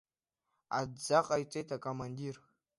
Адҵа ҟаиҵеит акомандир.